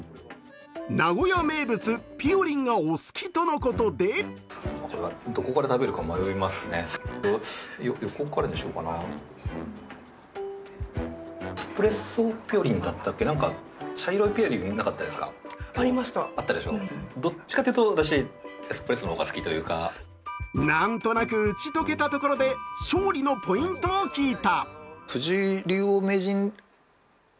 名古屋名物・ぴよりんがお好きとのことでなんとなく打ち解けたところで勝利のポイントを聞いた。